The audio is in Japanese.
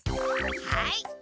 はい！